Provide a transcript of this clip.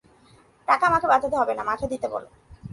টাকা আমাকে পাঠাতে হবে না, মঠে দিতে বলো।